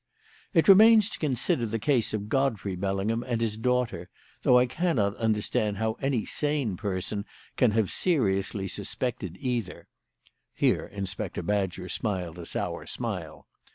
"It remains to consider the case of Godfrey Bellingham and his daughter, though I cannot understand how any sane person can have seriously suspected either" (here Inspector Badger smiled a sour smile).